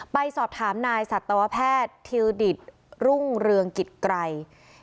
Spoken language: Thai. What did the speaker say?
ไปสอบถามนายสัตวแพทย์ทิวดิตรุ่งเรืองกิจไกร